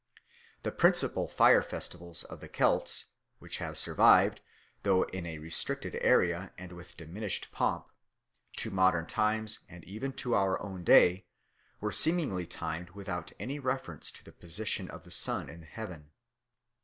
The principal fire festivals of the Celts, which have survived, though in a restricted area and with diminished pomp, to modern times and even to our own day, were seemingly timed without any reference to the position of the sun in the heaven.